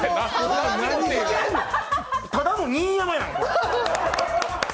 ただの新山やん。